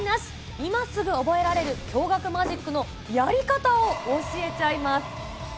今すぐ覚えられる、驚がくマジックのやり方を教えちゃいます。